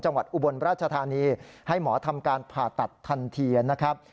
อุบลราชธานีให้หมอทำการผ่าตัดทันทีนะครับ